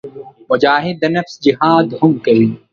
مجاهد د نفس جهاد هم کوي.